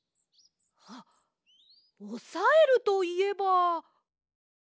あっおさえるといえば。